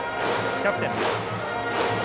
キャプテン。